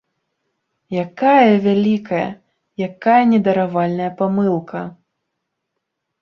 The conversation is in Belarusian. Якая вялікая, якая недаравальная памылка!